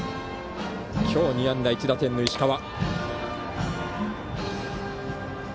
今日２安打１打点の石川。